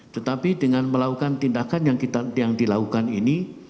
tetapi dengan melakukan tindakan yang dilakukan ini